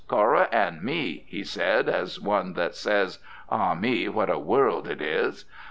Cora and me," he said, as one that says, "ah, me, what a world it is!"